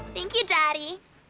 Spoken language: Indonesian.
thank you dari